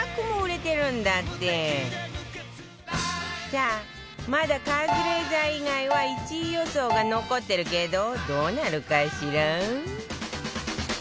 さあまだカズレーザー以外は１位予想が残ってるけどどうなるかしら？